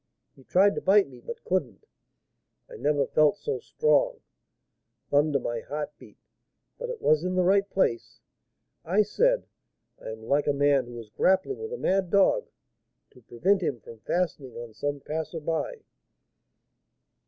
He tried to bite me, but couldn't; I never felt so strong. Thunder! my heart beat, but it was in the right place. I said, 'I am like a man who is grappling with a mad dog, to prevent him from fastening on some passer by.'